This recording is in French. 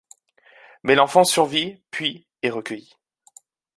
Mais l'enfant survit puis est recueilli.